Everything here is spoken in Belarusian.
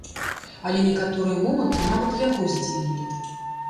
Але некаторыя моманты нават яго здзівілі.